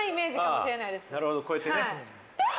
なるほど、こうやってね。